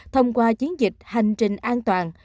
thông qua chiến dịch hành trình an toàn